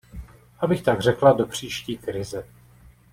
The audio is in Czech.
Abych tak řekla do příští krize.